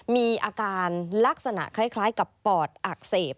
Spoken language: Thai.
มีอาการลักษณะคล้ายกับปอดอักเสบ